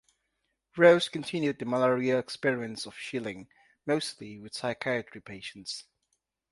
Rose continued the Malaria-experiments of Schilling, mostly with psychiatry patients.